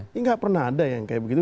ini nggak pernah ada yang kayak begitu